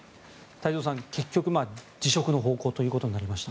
太蔵さん、結局辞職の方向ということになりました。